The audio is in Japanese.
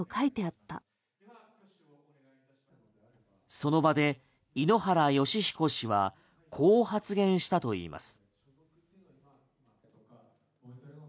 その場で井ノ原快彦氏はこう発言したといいます。